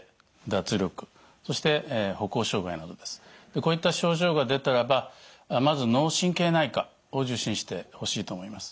こういった症状が出たらばまず脳神経内科を受診してほしいと思います。